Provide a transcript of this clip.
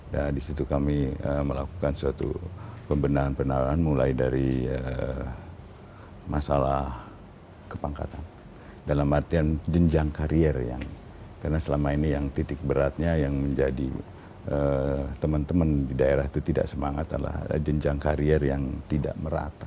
nah disitu kami melakukan suatu pembenahan pembenahan mulai dari masalah kepangkatan dalam artian jenjang karier yang karena selama ini yang titik beratnya yang menjadi teman teman di daerah itu tidak semangat adalah jenjang karier yang tidak merata